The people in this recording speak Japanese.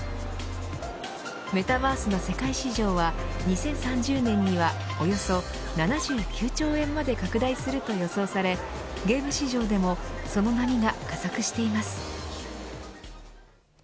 メタバースの世界市場は２０３０年にはおよそ７９兆円まで拡大すると予想されゲーム市場でもその波が加速しています